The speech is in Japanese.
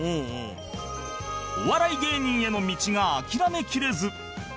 お笑い芸人への道が諦めきれず